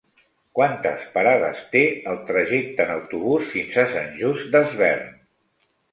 Quantes parades té el trajecte en autobús fins a Sant Just Desvern?